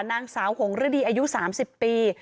นางสาวหงฤดีอายุ๓๐ปี